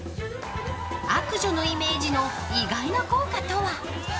悪女のイメージの意外な効果とは。